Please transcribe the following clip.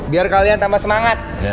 biar kalian tambah semangat